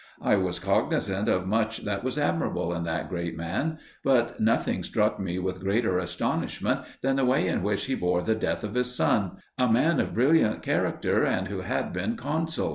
I was cognisant of much that was admirable in that great man, but nothing struck me with greater astonishment than the way in which he bore the death of his son a man of brilliant character and who had been consul.